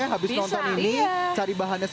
nah beli telur gak usah jauh jauh